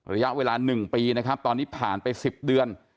ระยะเวลา๑ปีนะครับตอนนี้ผ่านไป๑๐เดือน